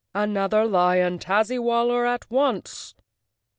"Another lion, Tazzy waller, at once!"